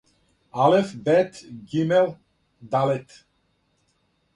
алеф бет гимел далет